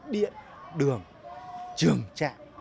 điện đường trường trạng